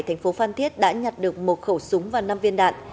thành phố phan thiết đã nhặt được một khẩu súng và năm viên đạn